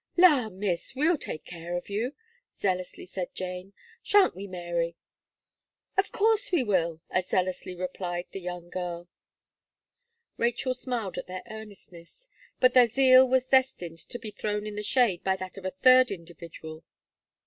"La, Miss! we'll take care of you," zealously said Jane, "shan't we, Mary?" "Of course we will," as zealously replied the young girl. Rachel smiled at their earnestness; but their zeal was destined to be thrown in the shade by that of a third individual.